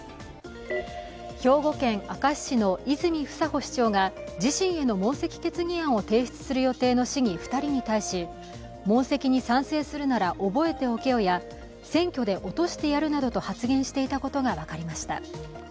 兵庫県明石市の泉房穂市長が自身への問責決議案を提出する予定の市議２人に対し、問責に賛成するなら覚えておけよや選挙で落としてやるなどと発言していたことが分かりました。